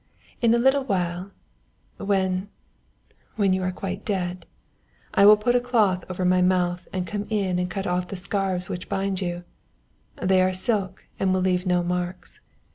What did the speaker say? In a little while when when you are quite dead, I will put a cloth over my mouth and come in and cut off the scarves which bind you they are silk and will leave no marks.